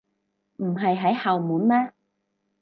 唔係喺後門咩？